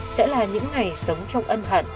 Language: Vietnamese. sẽ là những ngày sống trong ân hận